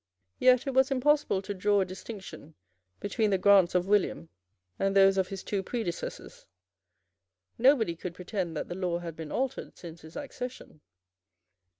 Yet it was impossible to draw a distinction between the grants of William and those of his two predecessors. Nobody could pretend that the law had been altered since his accession.